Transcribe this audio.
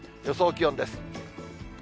予想気温です。